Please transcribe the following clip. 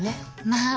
まあ。